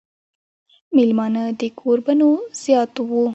مېلمانۀ د کوربنو زيات وو ـ